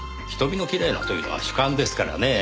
「瞳のきれいな」というのは主観ですからねぇ。